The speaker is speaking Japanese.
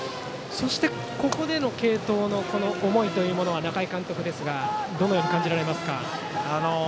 ここでの継投の思いというのは仲井監督、どのように感じられますか。